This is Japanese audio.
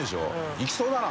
いきそうだな。